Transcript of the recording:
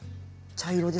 茶色です？